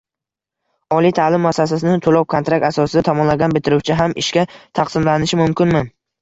Oliy ta’lim muassasasini to‘lov-kontrakt asosida tamomlagan bitiruvchi ham ishga taqsimlanishi mumkinmi?